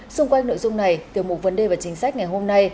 xung quanh nội dung này tiểu mục vấn đề và chính sách ngày hôm nay